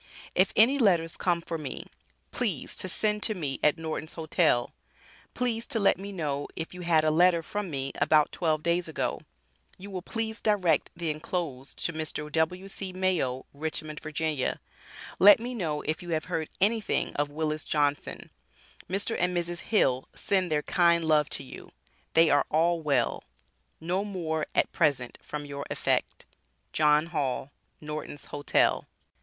If any letters come for me please to send to me at Nortons Hotel, Please to let me know if you had a letter from me about 12 days ago. You will please Direct the enclosed to Mr. W.C. Mayo, Richmond, Va. Let me know if you have heard anything of Willis Johnson Mr. & Mrs. Hill send their kind love to you, they are all well, no more at present from your affect., JOHN HALL Nortons Hotel.